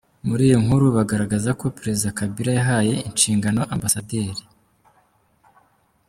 Muri iyi nkuru bagaragaza ko Perezida Kabila yahaye inshingano Amb.